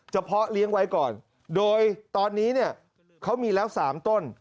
เพาะเลี้ยงไว้ก่อนโดยตอนนี้เนี่ยเขามีแล้ว๓ต้น